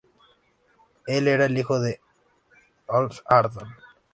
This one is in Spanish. Él era el hijo de Il-Arslan.